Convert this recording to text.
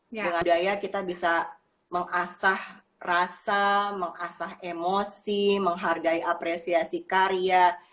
dengan daya kita bisa mengasah rasa mengasah emosi menghargai apresiasi karya